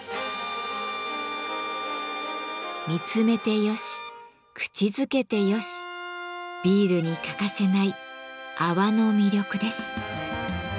見つめてよし口づけてよしビールに欠かせない泡の魅力です。